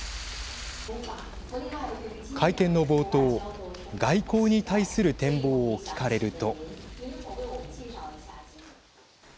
会見の冒頭、外交に対する展望を聞かれると。